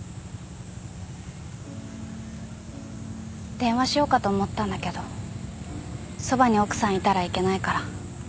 電話しようかと思ったんだけどそばに奥さんいたらいけないから。